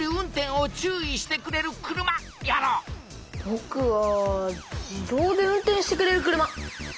ぼくは自動で運転してくれる車。